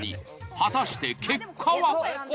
果たして結果は？